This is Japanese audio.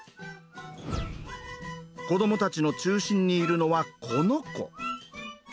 子どもたちの中心にいるのはこの子。